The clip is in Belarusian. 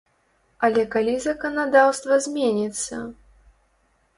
Але калі заканадаўства зменіцца?